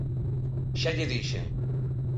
Xa lle dixen.